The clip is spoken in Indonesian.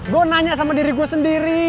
gue nanya sama diri gue sendiri